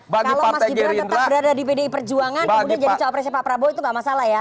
kalau mas gibran tetap berada di pdi perjuangan kemudian jadi cawapresnya pak prabowo itu gak masalah ya